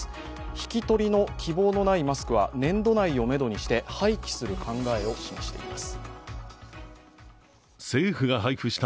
引き取りの希望のないマスクは年度内をめどにして廃棄する考えを示しています。